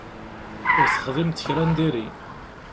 Ur texdimeḍ kra n diri.